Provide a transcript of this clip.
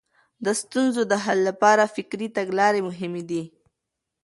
د ستونزو د حل لپاره فکري تګلارې مهمې دي.